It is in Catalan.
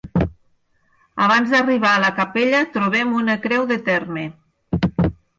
Abans d'arribar a la capella trobem una creu de terme.